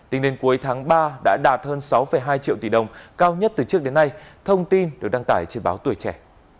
tính đến cuối tháng ba đã đạt hơn sáu hai triệu tỷ đồng cao nhất từ trước đến nay thông tin được đăng tải trên báo tuổi trẻ